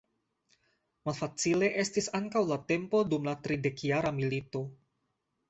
Malfacile estis ankaŭ la tempo dum la Tridekjara milito.